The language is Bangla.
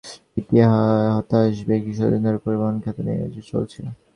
বাস ছাড়তে দেরি হওয়ায় চালককে পিটিয়ে হত্যাবেশ কিছুদিন ধরে পরিবহন খাতে নৈরাজ্য চলছে।